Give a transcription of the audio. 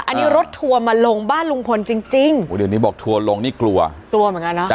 อันนี้รถทัวร์มาลงบ้านลุงพลจริงจริงโอ้เดี๋ยวนี้บอกทัวร์ลงนี่กลัวกลัวเหมือนกันเนอะ